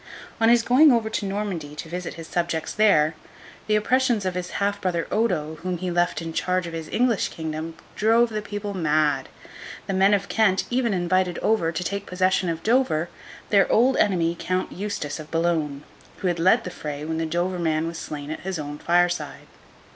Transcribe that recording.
On his going over to Normandy, to visit his subjects there, the oppressions of his half brother Odo, whom he left in charge of his English kingdom, drove the people mad. The men of Kent even invited over, to take possession of Dover, their old enemy Count Eustace of Boulogne, who had led the fray when the Dover man was slain at his own fireside.